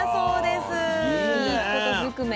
あいいこと尽くめ。